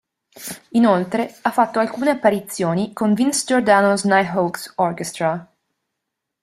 Inoltre, ha fatto alcune apparizioni con Vince Giordano's Nighthawks Orchestra.